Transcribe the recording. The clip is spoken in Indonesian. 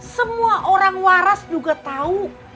semua orang waras juga tahu